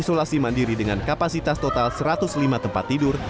isolasi mandiri dengan kapasitas total satu ratus lima tempat tidur